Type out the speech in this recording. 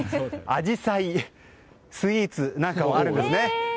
あじさいスイーツもあるんですね。